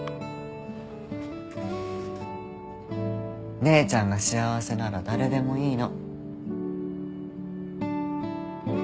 姉ちゃんが幸せなら誰でもいいの。